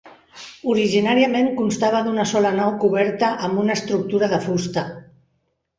Originàriament constava d'una sola nau coberta amb una estructura de fusta.